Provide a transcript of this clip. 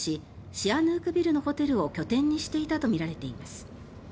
シアヌークビルのホテルを拠点にしていたとみられています。